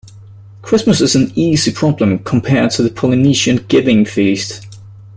Christmas is an easy problem compared with a Polynesian giving-feast.